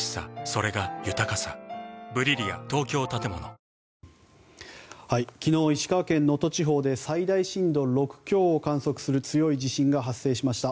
地震があった珠洲市周辺では今日昨日、石川県能登地方で最大震度６強を観測する強い地震が発生しました。